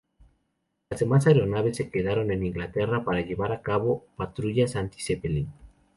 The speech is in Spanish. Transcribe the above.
Las demás aeronaves se quedaron en Inglaterra para llevar a cabo patrullas anti-Zeppelin.